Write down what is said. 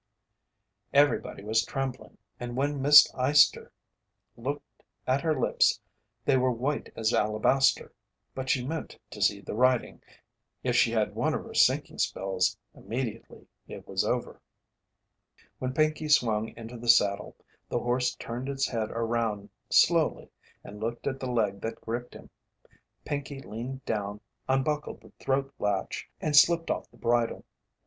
Everybody was trembling, and when Miss Eyester looked at her lips they were white as alabaster, but she meant to see the riding, if she had one of her sinking spells immediately it was over. When Pinkey swung into the saddle, the horse turned its head around slowly and looked at the leg that gripped him. Pinkey leaned down, unbuckled the throat latch, and slipped off the bridle.